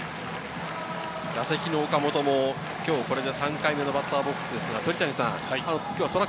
打席の岡本も、これで３回目のバッターボックスです。